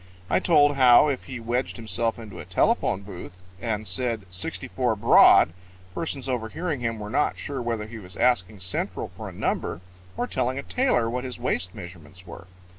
I told how, if he wedged himself into a telephone booth and said, "64 Broad," persons overhearing him were not sure whether he was asking Central for a number or telling a tailor what his waist measurements were.